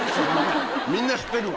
みんな知ってるわ。